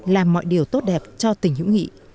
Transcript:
làm mọi điều tốt đẹp cho tình hữu nghị